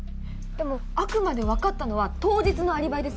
でもあくまで分かったのは当日のアリバイですよね。